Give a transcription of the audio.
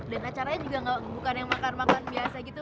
dan acaranya juga bukan yang makan makan biasa gitu